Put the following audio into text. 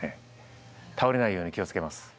倒れないように気を付けます。